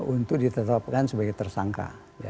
untuk ditetapkan sebagai tersangka